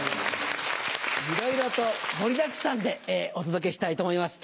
いろいろと盛りだくさんでお届けしたいと思います。